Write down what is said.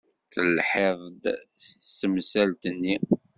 Telhiḍ-d s temsalt-nni.